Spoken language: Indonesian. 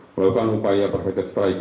melakukan upaya perfeksi strike